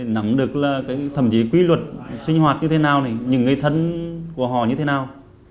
nắm được là thậm chí quy luật sinh hoạt như thế nào những người thân của họ như thế nào